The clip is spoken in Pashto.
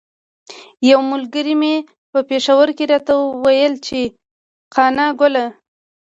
یوه ملګري مې په پیښور کې راته ویل چې قانه ګله.